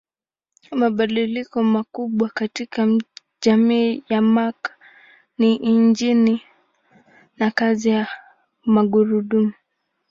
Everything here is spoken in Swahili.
Mabadiliko makubwa katika jamii ya Mark ni injini na kazi ya magurudumu.